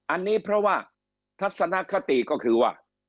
อันนี้เพราะว่าทัศนคติก็คือว่า